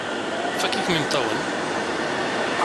Fakk-ikem imeṭṭawen!